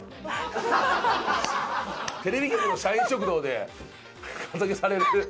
テレビ局の社員食堂でカツアゲされる。